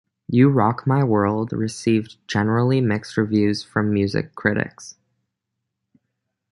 "You Rock My World" received generally mixed reviews from music critics.